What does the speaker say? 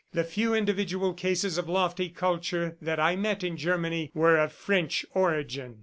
The few individual cases of lofty culture that I met in Germany were of French origin."